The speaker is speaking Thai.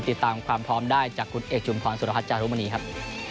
ติดตามความพร้อมได้จากคุณเอกชุมพรสุรพัฒน์จารุมณีครับ